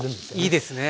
いいですね。